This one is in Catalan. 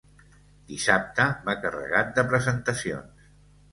Dissabte va carregat de presentacions.